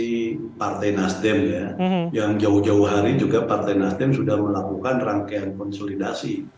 di partai nasdem ya yang jauh jauh hari juga partai nasdem sudah melakukan rangkaian konsolidasi